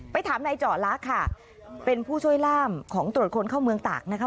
ถามนายเจาะลักษณ์ค่ะเป็นผู้ช่วยล่ามของตรวจคนเข้าเมืองตากนะคะ